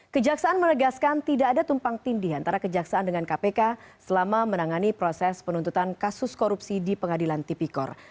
kejaksaan menegaskan tidak ada tumpang tindih antara kejaksaan dengan kpk selama menangani proses penuntutan kasus korupsi di pengadilan tipikor